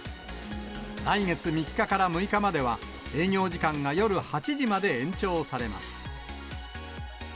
来月３日から６日までは、営業時間が夜８時まで延長されます。